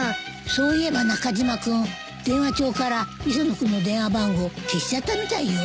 そういえば中島君電話帳から磯野君の電話番号消しちゃったみたいよ。